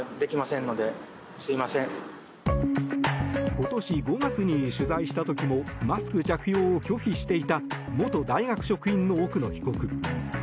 今年５月に取材した時もマスク着用を拒否していた元大学職員の奥野被告。